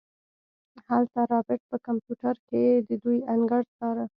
هلته رابرټ په کمپيوټر کې د دوئ انګړ څاره.